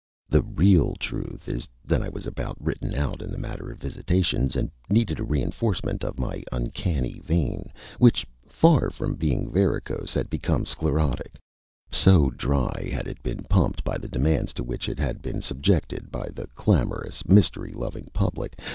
The real truth is that I was about written out in the matter of visitations, and needed a reinforcement of my uncanny vein, which, far from being varicose, had become sclerotic, so dry had it been pumped by the demands to which it had been subjected by a clamorous, mystery loving public.